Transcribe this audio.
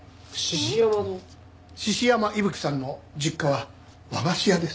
獅子山伊吹さんの実家は和菓子屋です。